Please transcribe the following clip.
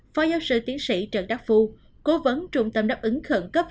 phó giáo sư tiến sĩ trần đắc phu cố vấn trung tâm đáp ứng khẩn cấp